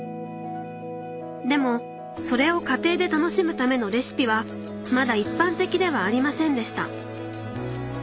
でもそれを家庭で楽しむためのレシピはまだ一般的ではありませんでした。